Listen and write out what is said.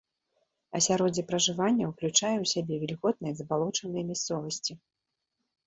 Асяроддзе пражывання ўключае ў сябе вільготныя, забалочаныя мясцовасці.